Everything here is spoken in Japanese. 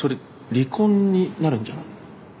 離婚になるんじゃない？